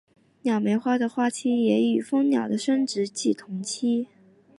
鸟媒花的花期也与蜂鸟的生殖季同期。